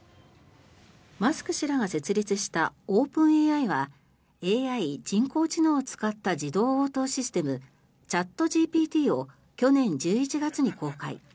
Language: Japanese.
マスク氏らが設立したオープンＡＩはＡＩ・人工知能を使った自動応答システムチャットＧＰＴを去年１１月に公開。